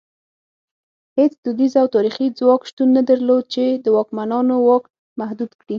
هېڅ دودیز او تاریخي ځواک شتون نه درلود چې د واکمنانو واک محدود کړي.